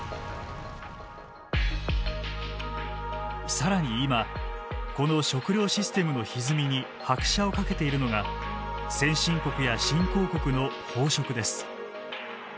更に今この食料システムのひずみに拍車をかけているのが先進国や新興国の飽食です。